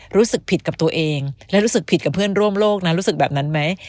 รู้สึกผิดกับตัวเองและรู้สึกผิดกับเพื่อนร่วมโลกนะรู้สึกแบบนั้นไหม